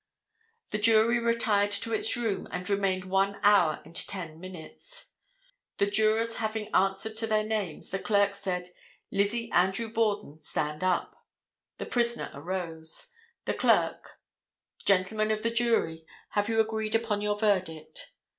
The jury retired to its room and remained one hour and ten minutes. The jurors having answered to their names, the clerk said: Lizzie Andrew Borden, stand up. The prisoner arose. The clerk—Gentlemen of the jury, have you agreed upon your verdict?